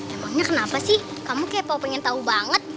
emangnya kenapa sih kamu kayak pengen tahu banget